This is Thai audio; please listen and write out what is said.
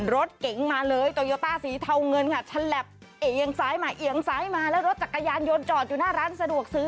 รถเก๋งมาเลยโตโยต้าสีเทาเงินค่ะฉลับเอียงซ้ายมาเอียงซ้ายมาแล้วรถจักรยานยนต์จอดอยู่หน้าร้านสะดวกซื้อ